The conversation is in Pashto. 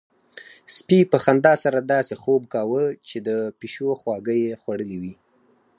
سپي په خندا سره داسې خوب کاوه چې د پيشو خواږه يې خوړلي وي.